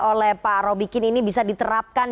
oleh pak robikin ini bisa diterapkan